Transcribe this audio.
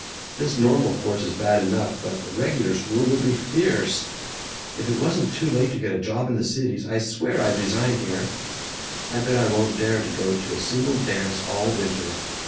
This normal course is bad enough, but the regular school will be FIERCE! If it wasn't too late to get a job in the Cities, I swear I'd resign here. I bet I won't dare to go to a single dance all winter.